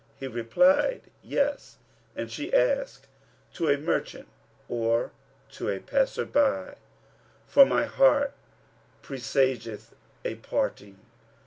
He replied, "Yes;" and she asked, "To a merchant or to a passer by? for my heart presageth a parting."